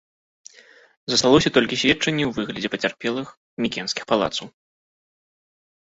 Засталося толькі сведчанне ў выглядзе пацярпелых мікенскіх палацаў.